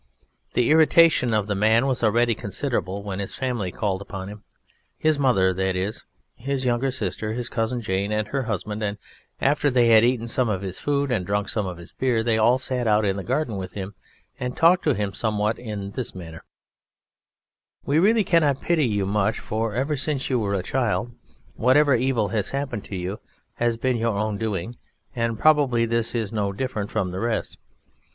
The irritation of the Man was already considerable when his family called upon him his mother, that is, his younger sister, his cousin Jane, and her husband and after they had eaten some of his food and drunk some of his beer they all sat out in the garden with him and talked to him somewhat in this manner: "We really cannot pity you much, for ever since you were a child whatever evil has happened to you has been your own doing, and probably this is no different from the rest....